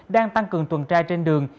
đang tăng cường tuần trai trên đường